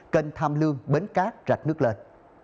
cân tham lương bến cát rạch nước lên